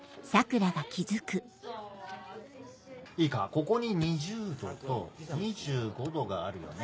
ここに２０度と２５度があるよね。